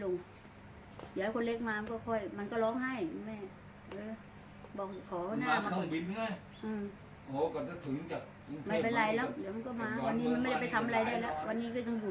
สู่นี้โต๊ะบ้านเขามาให้กระปัญญาเยอะเหมือนกันเนาะ